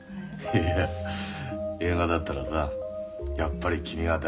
いや映画だったらさ「やっぱり君が大事」